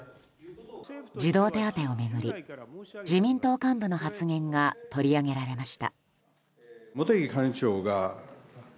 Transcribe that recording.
児童手当を巡り自民党幹部の発言が取り上げられました。